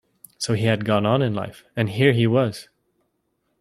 So he had got on in life, and here he was!